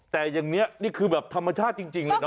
แต่อย่างนี้นี่คือแบบธรรมชาติจริงเลยนะ